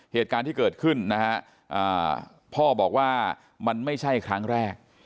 เหตุการณ์ที่เกิดขึ้นนะฮะพ่อบอกว่ามันไม่ใช่ครั้งแรก